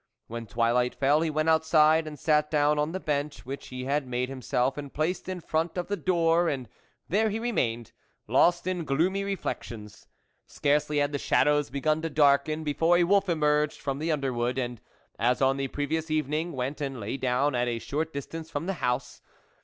When twilight fell, he went outside and sat down on the bench which he had made himself and placed in front of the door, and there he remained, lost in gloomy re flections. Scarcely had the shadows be gun to darken, before a wolf emerged from the underwood, and, as on the previous evening, went and lay down at a short distance from the house.